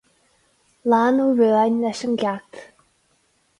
Lean Ó Ruadháin leis an gceacht.